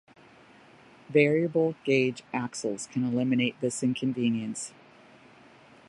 Variable-gauge axles can eliminate this inconvenience.